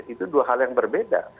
itu dua hal yang berbeda